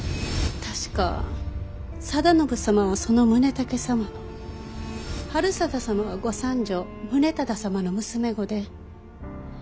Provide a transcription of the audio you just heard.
確か定信様はその宗武様の治済様はご三女宗尹様の娘御で。